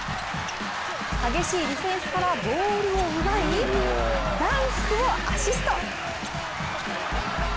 激しいディフェンスからボールを奪い、ダンクをアシスト。